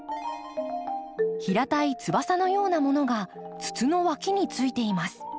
平たい翼のようなものが筒のわきについています。